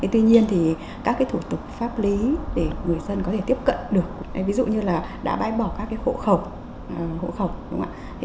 tuy nhiên thì các thủ tục pháp lý để người dân có thể tiếp cận được ví dụ như là đã bái bỏ các hộ khẩu